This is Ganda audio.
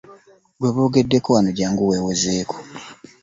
Gwe boogeddeko wano jangu weewozeeko.